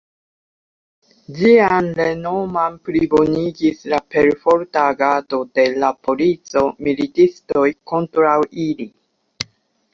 Ĝian renomon plibonigis la perforta agado de la polico, militistoj kontraŭ ili.